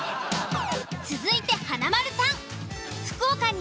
続いて華丸さん。